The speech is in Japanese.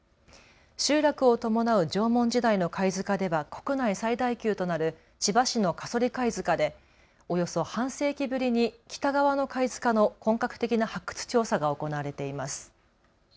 集落を伴う縄文時代の貝塚では国内最大級となる千葉市の加曽利貝塚でおよそ半世紀ぶりに北側の貝塚の本格的な発掘調査が行われています。